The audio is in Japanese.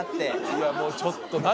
いやもうちょっと何？